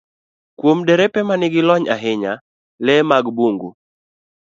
Kuom derepe ma nigi lony ahinya, le mag bungu